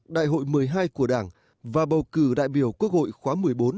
đại hội một mươi hai của đảng và bầu cử đại biểu quốc hội khóa một mươi bốn